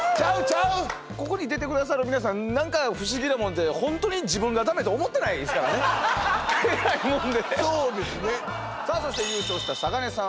ここに出てくださる皆さん何か不思議なもんで本当に自分がだめと思ってないですからね。